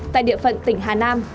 tại địa phận tỉnh hà nam